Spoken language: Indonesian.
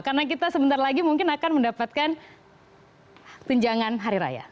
karena kita sebentar lagi mungkin akan mendapatkan tinjangan hari raya